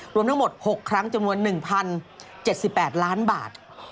รวมทั้งหมด๖ครั้งจำนวน๑๐๗๘ล้านบาท